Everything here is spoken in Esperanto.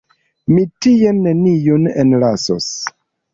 Mi tien neniun enlasos.